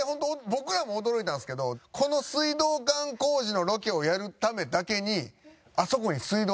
僕らも驚いたんですけどこの水道管工事のロケをやるためだけにあそこに。